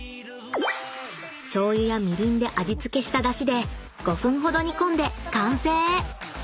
［醤油やみりんで味付けしただしで５分ほど煮込んで完成！］